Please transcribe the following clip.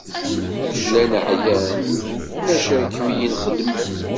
Llan εyan, maca kemmlen xeddmen.